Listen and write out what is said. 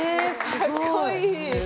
かっこいい。